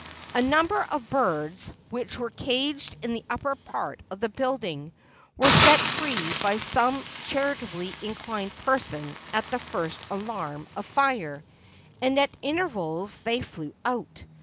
A number of birds which were caged in the upper part of the building were set free by some charitably inclined person at the first alarm of fire and at intervals they flew out.